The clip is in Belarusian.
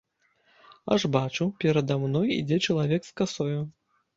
Аж бачу, перада мной ідзе чалавек з касою.